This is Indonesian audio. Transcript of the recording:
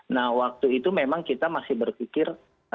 nah waktu itu memang kita masih berpikir